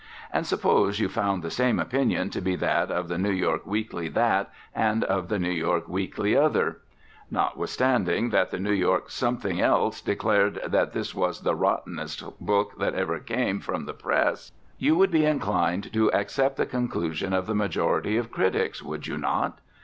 And suppose you found the same opinion to be that of the New York Weekly That and of the New York Weekly Other. Notwithstanding that the New York Something Else declared that this was the rottenest hook that ever came from the press, you would be inclined to accept the conclusion of the majority of critics, would you not?